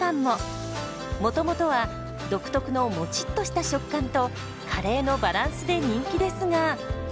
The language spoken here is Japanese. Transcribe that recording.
もともとは独特のモチッとした食感とカレーのバランスで人気ですが。